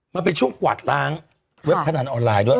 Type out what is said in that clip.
มันเป็นช่วงกวาดล้างเว็บพนันออนไลน์ด้วย